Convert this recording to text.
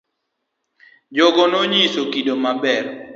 Jogo no nyiso kido ma ber.